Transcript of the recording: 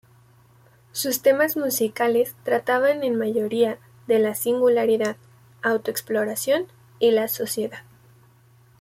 Sus temas musicales trataban en mayoría, de la singularidad, auto-exploración y la sociedad.